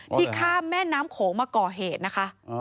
ข้ามแม่น้ำโขงมาก่อเหตุนะคะ